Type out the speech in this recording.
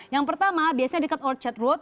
yang pertama biasanya dekat orchat road